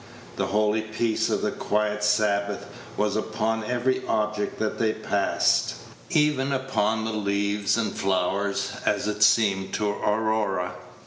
The holy peace of the quiet Sabbath was upon every object that they passed, even upon the leaves and flowers, as it seemed to Aurora.